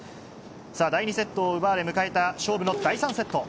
さあ、第２セットを奪われ迎えた勝負の第３セット。